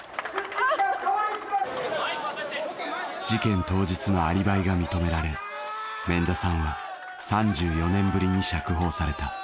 事件当日のアリバイが認められ免田さんは３４年ぶりに釈放された。